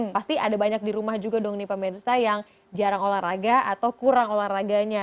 pasti ada banyak di rumah juga dong nih pemirsa yang jarang olahraga atau kurang olahraganya